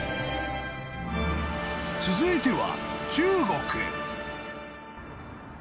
［続いては］